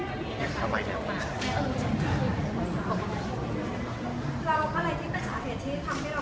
เมื่อไหร่ที่เป็นสาเหตุที่ทำให้เราโค้ชว่า